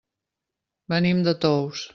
Venim de Tous.